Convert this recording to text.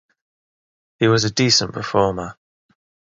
He was a decent performer.